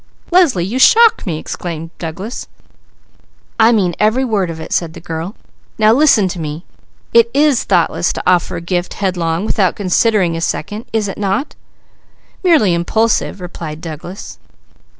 "Leslie, you shock me!" exclaimed Douglas. "I mean every word of it," said the girl. "Now listen to me! It is thoughtless to offer a gift headlong, without considering a second, is it not?" "Merely impulsive," replied Douglas.